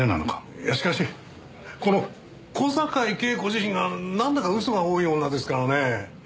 いやしかしこの小坂井恵子自身がなんだか嘘が多い女ですからね。